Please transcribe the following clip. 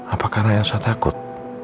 apa karena elsa takut